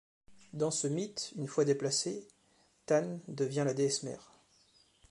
Dans ce mythe, une fois déplacé, Tan devient la déesse mère.